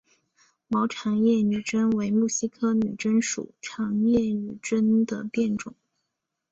毛长叶女贞为木犀科女贞属长叶女贞的变种。